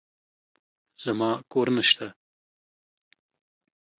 زما کور نشته.